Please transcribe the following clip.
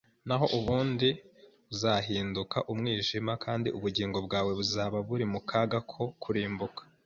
naho ubundi uzahinduka umwijima kandi ubugingo bwawe buzaba buri mu kaga ko kurimbuka